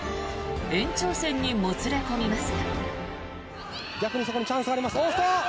延長戦にもつれ込みます。